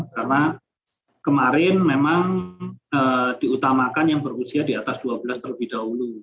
karena kemarin memang diutamakan yang berusia di atas dua belas terlebih dahulu